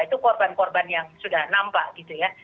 itu korban korban yang sudah nampak